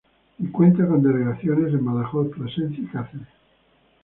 Y cuenta con delegaciones en Badajoz, Plasencia y Cáceres.